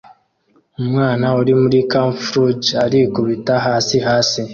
Umwana uri muri campflauge arikubita hasi hasi